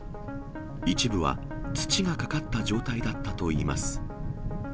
一部は土がかかった状態だったといいます。